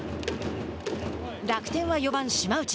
楽天は４番島内。